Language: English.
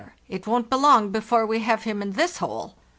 It won't be long before we have him in this hole."